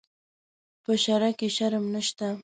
په شرعه کې شرم نشته.